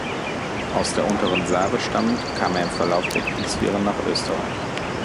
Aus der unteren Save stammend kam er im Verlauf der Kriegswirren nach Österreich.